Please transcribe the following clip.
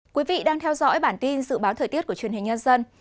quý vị đang theo dõi bản tin dự báo thời tiết của truyền hình nhân dân